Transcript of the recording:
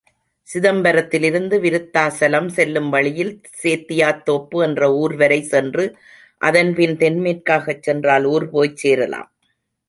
சிதம்பரத்திலிருந்து விருத்தாசலம் செல்லும் வழியில், சேத்தியாத் தோப்பு என்ற ஊர்வரை சென்று அதன்பின் தென்மேற்காகச் சென்றால் ஊர்போய்ச் சேரலாம்.